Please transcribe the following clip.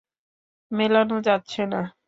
মেলানো যাচ্ছে না।